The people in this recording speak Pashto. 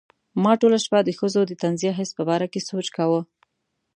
ما ټوله شپه د ښځو د طنزیه حس په باره کې سوچ کاوه.